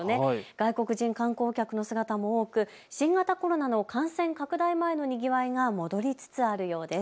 外国人観光客の姿も多く新型コロナの感染拡大前のにぎわいが戻りつつあるようです。